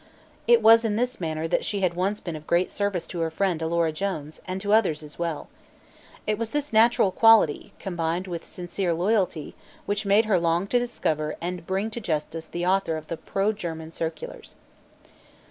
It was in this manner that she had once been of great service to her friend Alora Jones, and to others as well. It was this natural quality, combined with sincere loyalty, which made her long to discover and bring to justice the author of the pro German circulars.